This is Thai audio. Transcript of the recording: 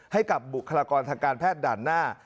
ให้กับบุคลากรทางการแพทย์ด่านหน้า